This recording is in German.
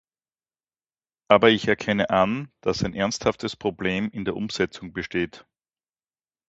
Aber ich erkenne an, dass ein ernsthaftes Problem in der Umsetzung besteht.